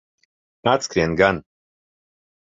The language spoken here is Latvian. Atskrien gan.